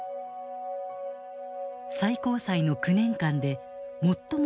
最高裁の９年間で最も長い期間